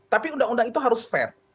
tapi undang undang itu harus fair